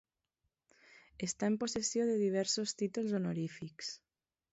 Està en possessió de diversos títols honorífics.